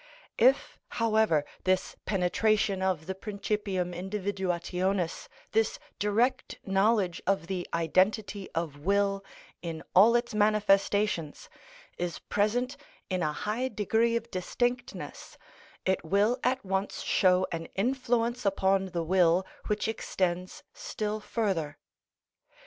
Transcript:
If, however, this penetration of the principium individuationis, this direct knowledge of the identity of will in all its manifestations, is present in a high degree of distinctness, it will at once show an influence upon the will which extends still further.